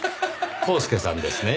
コースケさんですね。